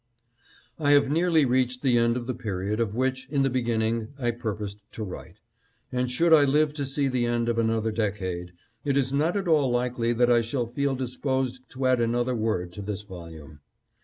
I have nearly reached the end of the period of which, in the beginning, I purposed to write, and should I live to see the end of another decade, it is not at all likely that I shall feel disposed to add another word to this volume.